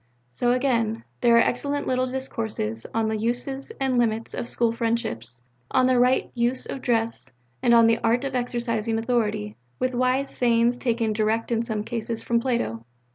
'" So, again, there are excellent little discourses on the Uses and Limits of School Friendships, on the Right Use of Dress, and on the Art of Exercising Authority, with wise sayings taken direct in some cases from Plato.